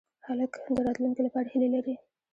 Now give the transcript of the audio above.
هلک د راتلونکې لپاره هیلې لري.